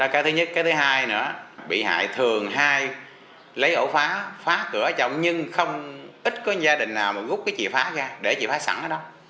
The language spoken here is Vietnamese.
cái thứ nhất cái thứ hai nữa bị hại thường hay lấy ổ phá phá cửa trong nhưng không ít có gia đình nào mà gút cái chìa phá ra để chìa phá sẵn ở đó